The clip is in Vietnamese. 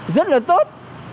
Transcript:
rất là tốt